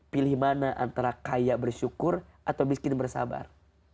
pilih mana antara kaya bersyukur atau miskin bersabar